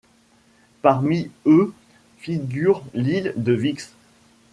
Parmi eux figure l’île de Vix.